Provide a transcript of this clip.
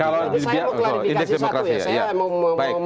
kalau saya mau klarifikasi satu ya